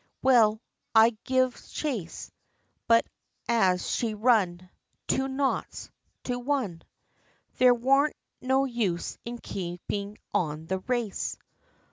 Well I gives chase, But as she run Two knots, to one, There warn't no use in keeping on the race!